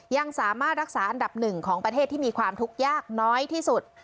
ยังสามารถรักษาอันดับหนึ่งของประเทศที่มีความทุกข์ยากน้อยที่สุด